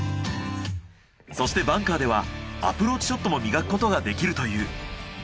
そしてバンカーではアプローチショットも磨くことができるという。